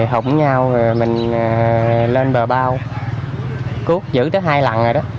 hổng nhau rồi mình lên bờ bao cút giữ tới hai lần rồi đó